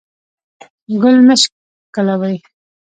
ګل مه شکولوئ